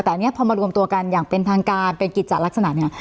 แต่อันนี้พอมารวมตัวกันอย่างเป็นทางการเป็นกิจจัดลักษณะเนี่ย